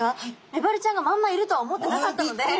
メバルちゃんがまんまいるとは思ってなかったので。